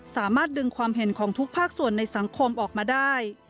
สามารถดึงความเห็นของทุกภาคส่วนในสังคมออกมาได้